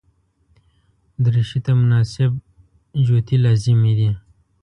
دریشي ته مناسب جوتي لازمي دي.